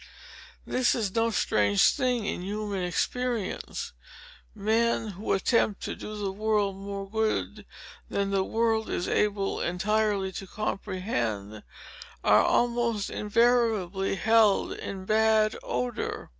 This is no strange thing in human experience. Men, who attempt to do the world more good, than the world is able entirely to comprehend, are almost invariably held in bad odor.